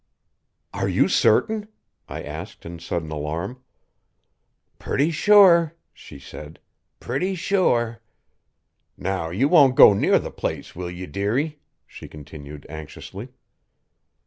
"Are you certain?" I asked in sudden alarm. "Pretty sure," she said, "pretty sure. Now you won't go near the place, will ye, dearie?" she continued anxiously.